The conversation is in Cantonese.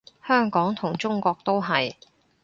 香港同中國都係